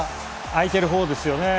空いてるほうですよね。